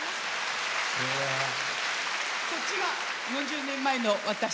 こっちが４０年前の私。